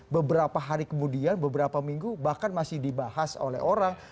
beberapa hari kemudian beberapa minggu bahkan masih dibahas oleh orang